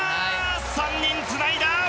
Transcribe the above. ３人つないだ！